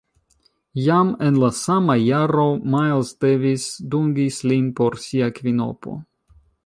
Jam en la sama jaro Miles Davis dungis lin por sia kvinopo.